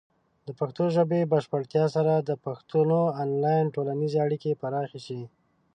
د پښتو ژبې د بشپړتیا سره، د پښتنو آنلاین ټولنیزې اړیکې پراخه شي.